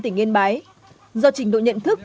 tỉnh yên bái do trình độ nhận thức